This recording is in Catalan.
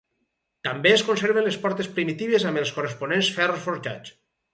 També es conservaven les portes primitives amb els corresponents ferros forjats.